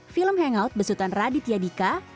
film hangout besutan raditya dika